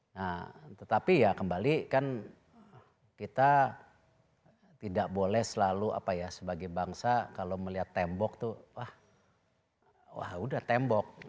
nah tetapi ya kembali kan kita tidak boleh selalu apa ya sebagai bangsa kalau melihat tembok tuh wah udah tembok